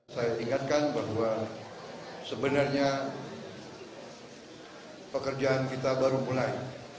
saya ingatkan bahwa sebenarnya pekerjaan kita baru mulai